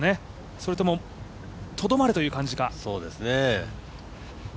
それとも、とどまれという感じか。